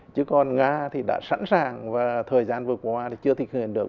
chứ còn nga thì đã sẵn sàng và thời gian vừa qua thì chưa thực hiện được